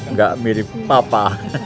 nggak mirip papa